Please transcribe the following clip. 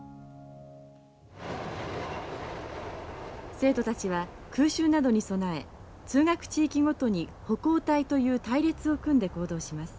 生徒たちは空襲などに備え通学地域ごとに歩行隊という隊列を組んで行動します。